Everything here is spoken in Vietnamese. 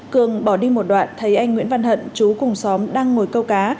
cường bỏ đi một đoạn thấy anh nguyễn văn hận chú cùng xóm đang ngồi câu cá